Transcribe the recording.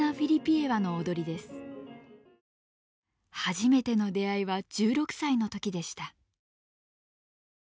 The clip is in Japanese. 初めての出会いは１６歳のときでした。